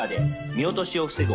見落としを防ぐ